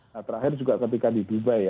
nah terakhir juga ketika di dubai ya